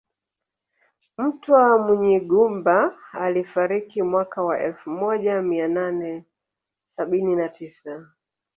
Mtwa Munyigumba alifariki mwaka wa elfu moja mia nane sabini na tisa